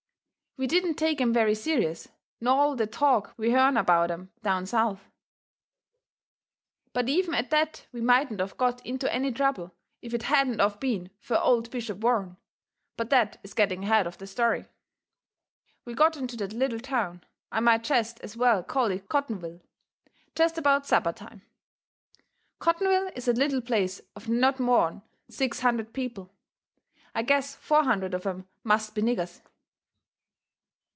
We didn't take 'em very serious, nor all the talk we hearn about 'em down South. But even at that we mightn't of got into any trouble if it hadn't of been fur old Bishop Warren. But that is getting ahead of the story. We got into that little town I might jest as well call it Cottonville jest about supper time. Cottonville is a little place of not more'n six hundred people. I guess four hundred of 'em must be niggers.